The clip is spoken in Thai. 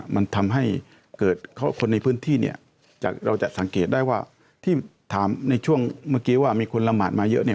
มันทำให้เกิดคนในพื้นที่เนี่ยจากเราจะสังเกตได้ว่าที่ถามในช่วงเมื่อกี้ว่ามีคนละหมาดมาเยอะเนี่ย